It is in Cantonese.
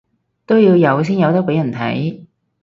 都要有先有得畀人睇